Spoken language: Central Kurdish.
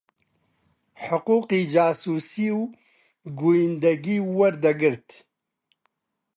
حقووقی جاسووسی و گوویندەگی وەردەگرت